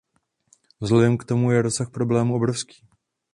Vzhledem k tomu je rozsah problému obrovský.